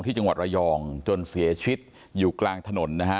ที่จังหวัดระยองจนเสียชีวิตอยู่กลางถนนนะฮะ